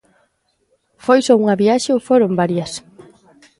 Foi só unha viaxe ou foron varias?